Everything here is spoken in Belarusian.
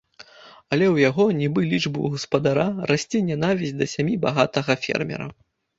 Але ў яго, нібы лічбы ў гаспадара, расце нянавісць да сям'і багатага фермера.